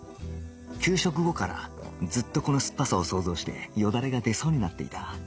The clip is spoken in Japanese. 給食後からずっとこの酸っぱさを想像してよだれが出そうになっていた